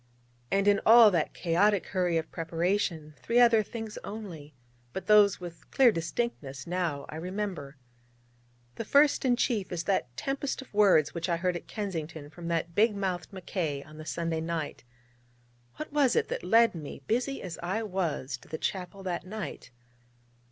And in all that chaotic hurry of preparation, three other things only, but those with clear distinctness now, I remember. The first and chief is that tempest of words which I heard at Kensington from that big mouthed Mackay on the Sunday night. What was it that led me, busy as I was, to that chapel that night?